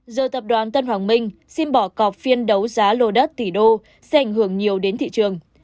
giờ tập đoàn tân hoàng minh xin bỏ cọp phiên đấu giá lô đất tỷ đô sẽ ảnh hưởng nhiều đến thị trường